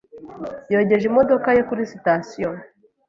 Yogeje imodoka ye kuri sitasiyo.